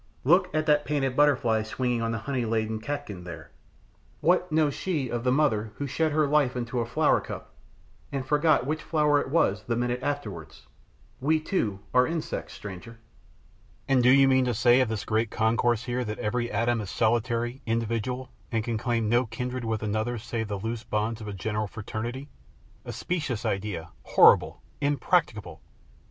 Look at that painted butterfly swinging on the honey laden catkin there. What knows she of the mother who shed her life into a flowercup and forgot which flower it was the minute afterwards. We, too, are insects, stranger." "And do you mean to say of this great concourse here, that every atom is solitary, individual, and can claim no kindred with another save the loose bonds of a general fraternity a specious idea, horrible, impracticable!"